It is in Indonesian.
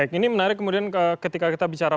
ini menarik kemudian ketika kita bicara